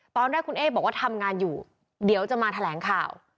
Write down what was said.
ตอนแรกคุณเอ๊บอกว่าทำงานอยู่เดี๋ยวจะมาแถลงข่าว